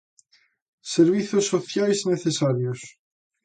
Servizos sociais necesarios.